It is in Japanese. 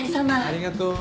ありがとう。